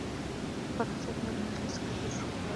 په فرانسه کې ملي مجلس څنګه جوړ شو؟